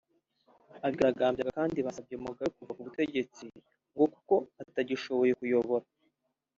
Abigaragambya kandi basabye Mugabe kuva ku butegetsi ngo kuko atagishoboye kuyobora